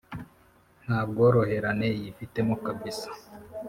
nta bworoherane yifitemo. kabisa